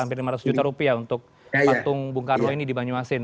hampir rp lima ratus untuk patung bung karlo ini di banyuasin